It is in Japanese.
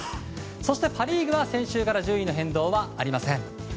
そして、パ・リーグは先週から順位の変動はありません。